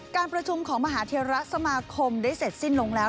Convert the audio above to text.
การประชุมของมหาเทราสมาคมได้เสร็จสิ้นลงแล้ว